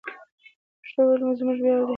د پښتو ویل زموږ ویاړ دی.